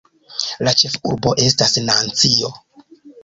La ĉefurbo estas Nancio.